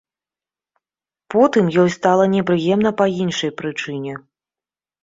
Потым ёй стала непрыемна па іншай прычыне.